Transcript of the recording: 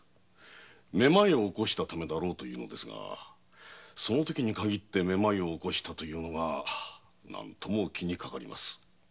めまいを起こしたためだろうというのですがそのときにかぎってめまいを起こしたというのが何とも気にかかります。